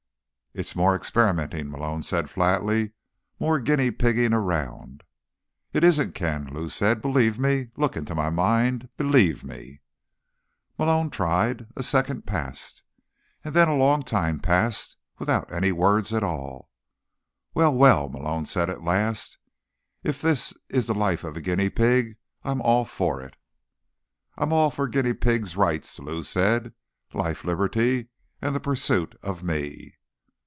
"It's more experimenting," Malone said flatly. "More guinea pigging around." "It isn't, Ken," Lou said. "Believe me. Look into my mind. Believe me." Malone tried. A second passed.... And then a long time passed, without any words at all. "Well, well," Malone said at last. "If this is the life of a guinea pig, I'm all for it." "I'm all for guinea pigs' rights," Lou said. "Life, Liberty and the Pursuit of Me."